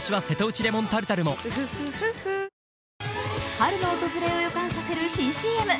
春の訪れを予感させる新ＣＭ。